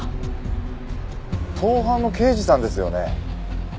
盗犯の刑事さんですよね？